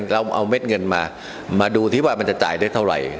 เราเอาเม็ดเงินมามาดูที่ว่ามันจะจ่ายได้เท่าไหร่